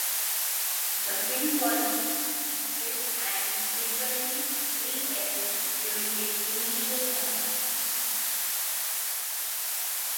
The film was heavily promoted and frequently re-aired during its initial summer.